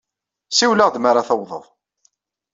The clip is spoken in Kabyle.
Siwel-aɣ-d mi ara tawḍeḍ.